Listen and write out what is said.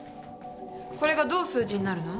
これがどう数字になるの？